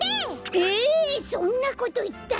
えそんなこといったって！